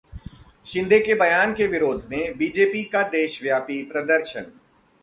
शिंदे के बयान के विरोध में बीजेपी का देशव्यापी प्रदर्शन